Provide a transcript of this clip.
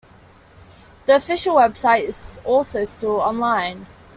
The official website is also still online.